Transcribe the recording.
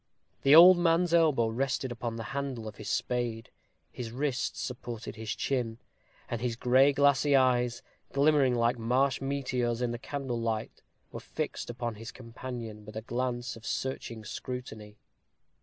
The old man's elbow rested upon the handle of his spade, his wrist supported his chin, and his gray glassy eyes, glimmering like marsh meteors in the candle light, were fixed upon his companion with a glance of searching scrutiny.